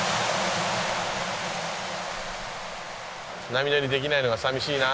波乗りできないのが寂しいな。